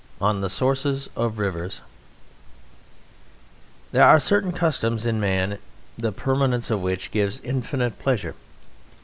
On the Sources of Rivers There are certain customs in man the permanence of which gives infinite pleasure.